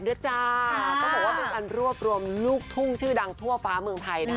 คือการรวบรวมลูกทุ่งชื่อดังทั่วฟ้าเมืองไทย